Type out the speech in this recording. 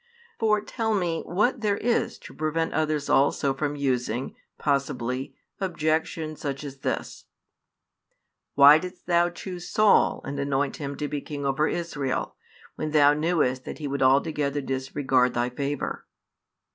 For tell me what there is to prevent others also from using, possibly, objections such as this: "Why didst Thou choose Saul and anoint him to be king over Israel, when Thou knewest that he would altogether disregard Thy favour?"